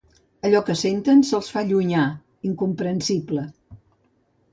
Allò que senten se'ls fa llunya, incomprensible.